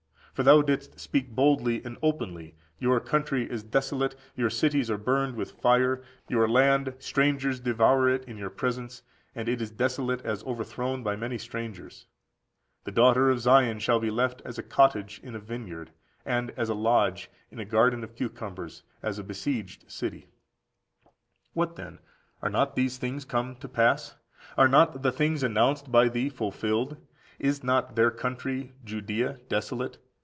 For thou didst speak boldly and openly: "Your country is desolate, your cities are burned with fire; your land, strangers devour it in your presence, and it is desolate as overthrown by many strangers.14631463 For ὑπὸ πολλῶν Combefisius has ὑπὸ λαῶν = by peoples. The daughter of Sion shall be left as a cottage in a vineyard, and as a lodge in a garden of cucumbers, as a besieged city."14641464 Isa. i. 7, 8. What then? Are not these things come to pass? Are not the things announced by thee fulfilled? Is not their country, Judea, desolate?